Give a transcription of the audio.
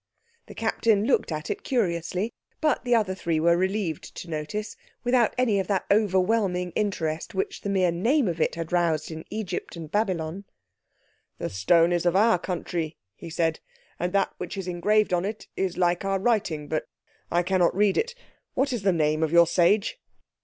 The Captain looked at it curiously, but, the other three were relieved to notice, without any of that overwhelming interest which the mere name of it had roused in Egypt and Babylon. "The stone is of our country," he said; "and that which is engraved on it, it is like our writing, but I cannot read it. What is the name of your sage?"